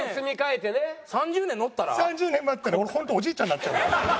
３０年待ったら俺本当におじいちゃんになっちゃうよ。